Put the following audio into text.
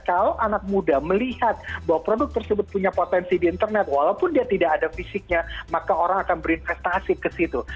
kalau anak muda melihat bahwa produk tersebut punya potensi di internet walaupun dia tidak ada fisiknya maka orang akan berinvestasi ke situ